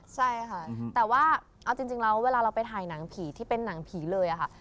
ใช่ค่ะแต่ว่าเอาจริงแล้วเวลาเราไปถ่ายหนังผีที่เป็นหนังผีเลยค่ะ